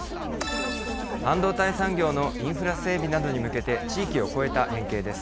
半導体産業のインフラ整備などに向けて、地域を越えた連携です。